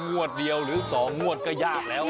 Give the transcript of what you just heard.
งวดเดียวหรือ๒งวดก็ยากแล้ว